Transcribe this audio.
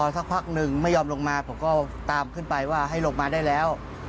ถึงไม่ยอมลงมาผมก็ตามขึ้นไปว่าให้ลงมาได้แล้ว